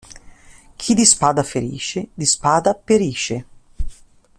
Chi di spada ferisce, di spada perisce.